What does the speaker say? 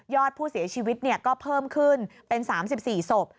อดผู้เสียชีวิตก็เพิ่มขึ้นเป็น๓๔ศพ